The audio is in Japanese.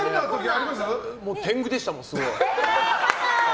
天狗でした、すごい。